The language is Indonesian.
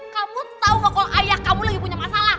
kamu tau gak kalau ayah kamu lagi punya masalah